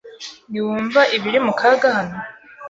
Ntiwumva ibiri mu kaga hano?